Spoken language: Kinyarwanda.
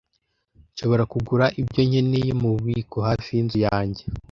Nshobora kugura ibyo nkeneye mububiko hafi yinzu yanjye.